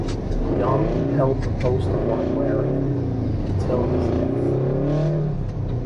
Young held the post of Librarian until his death.